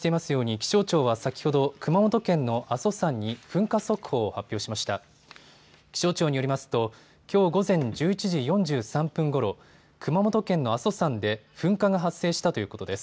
気象庁によりますときょう午前１１時４３分ごろ、熊本県の阿蘇山で噴火が発生したということです。